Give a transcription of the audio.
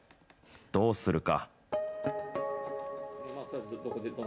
どうするか。